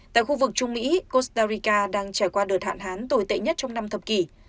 tại khu vực trung mỹ costa rica đang trải qua đợt hạn hán tồi tệ nhất trong năm thập kỷ